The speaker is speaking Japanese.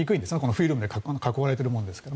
フィルムで囲われているものですから。